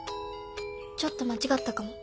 ちょっと間違ったかも